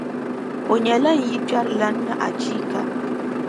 O nyɛla n yilikpɛrilana ni achiika.